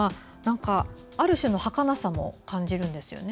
ある種のはかなさも感じるんですよね。